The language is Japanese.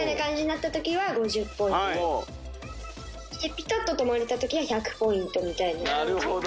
ピタッと止まれた時は１００ポイントみたいな感じ。